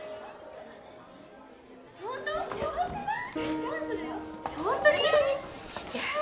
・チャンスだよ